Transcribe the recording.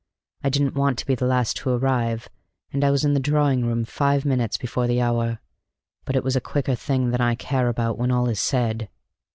I didn't want to be the last to arrive, and I was in the drawing room five minutes before the hour. But it was a quicker thing than I care about, when all is said."